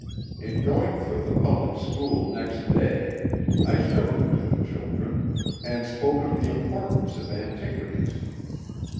In going through the public school next day I showed it to the children, and spoke of the importance of antiquities.